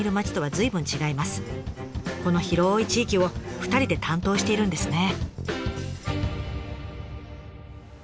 この広い地域を２人で担当しているんですね。